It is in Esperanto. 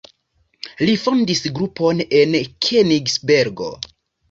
Li fondis grupon en Kenigsbergo.